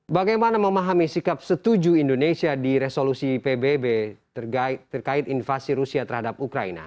bagaimana memahami sikap setuju indonesia di resolusi pbb terkait invasi rusia terhadap ukraina